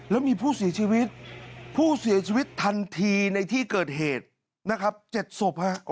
แล้วมีผู้เสียชีวิตผู้เสียชีวิตทันทีในที่เกิดเหตุนะครับ๗ศพ